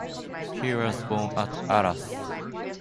He was born at Arras.